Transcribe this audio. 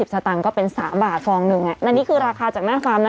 สตางค์ก็เป็น๓บาทฟองหนึ่งอันนี้คือราคาจากหน้าฟาร์มนะ